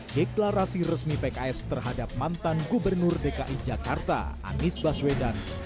deklarasi resmi pks terhadap mantan gubernur dki jakarta anies baswedan